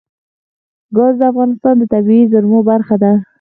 ګاز د افغانستان د طبیعي زیرمو برخه ده.